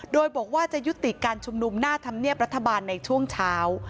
โดยบอกว่าจะยุติการชุมนุมหน้าธรรมเนียบรัฐบาลในช่วงเช้า